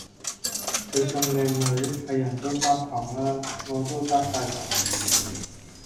佢咁靚女，係人都嗒糖喇，我都嗒晒糖